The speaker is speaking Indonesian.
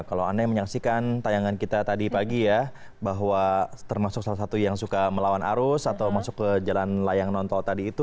kalau anda yang menyaksikan tayangan kita tadi pagi ya bahwa termasuk salah satu yang suka melawan arus atau masuk ke jalan layang nontol tadi itu